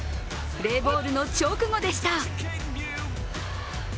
プレーボールの直後でした。